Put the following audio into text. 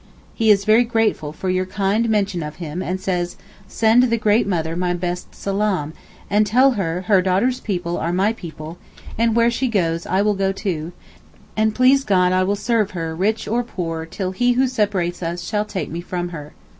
He is very grateful for your kind mention of him and says, 'Send the Great Mother my best Salaam, and tell her her daughter's people are my people, and where she goes I will go too, and please God I will serve her rich or poor till "He who separates us" shall take me from her.